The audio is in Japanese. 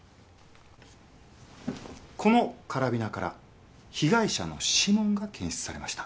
このカラビナから被害者の指紋が検出されました。